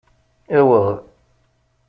Aweɣ.